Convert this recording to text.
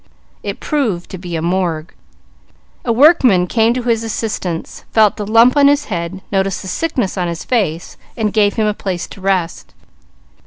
It proved to be a morgue. A workman came to his assistance, felt the lump on his head, noticed the sickness on his face, and gave him a place to rest.